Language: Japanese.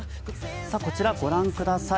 こちら、ご覧ください。